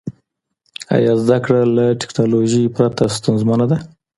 آیا زده کړه له ټیکنالوژۍ پرته ستونزمنه ده؟